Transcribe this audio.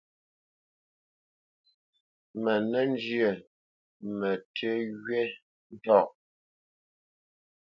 Mə nə́ njyə mətʉ́ wí nzə ntɔ̂ʼ.